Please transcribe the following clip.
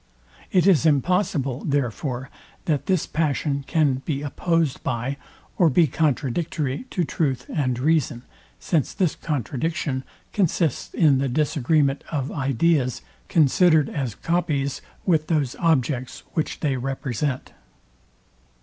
It is impossible, therefore, that this passion can be opposed by, or be contradictory to truth and reason; since this contradiction consists in the disagreement of ideas, considered as copies, with those objects, which they represent.